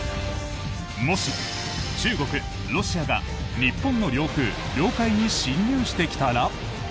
もし、中国、ロシアが日本の領空、領海に侵入してきたら？